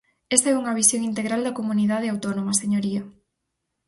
Esa é unha visión integral da comunidade autónoma, señoría.